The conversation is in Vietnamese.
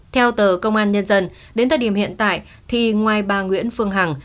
theo tờ công an nhân dân đến thời điểm hiện tại thì ngoài bà nguyễn phương hằng